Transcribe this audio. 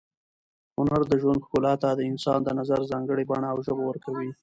هنر د ژوند ښکلا ته د انسان د نظر ځانګړې بڼه او ژبه ورکوي.